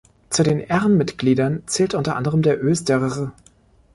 Zu den Ehrenmitgliedern zählt unter anderen der österr.